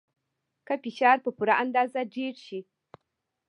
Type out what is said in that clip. که فشار په پوره اندازه ډیر شي.